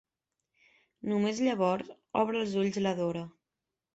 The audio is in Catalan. Només llavors obre els ulls la Dora.